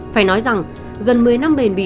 phải nói rằng gần một mươi năm bền bì